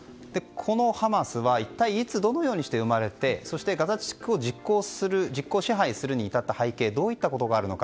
このハマスは一体いつどのようにして生まれて実効支配するに至った背景どういったことがあるのか。